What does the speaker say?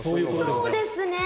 そうですね。